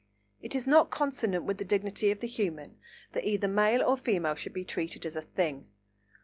It is not consonant with the dignity of the Human that either male or female should be treated as a thing.